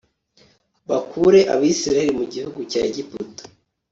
bakure abisirayeli mu gihugu cya egiputa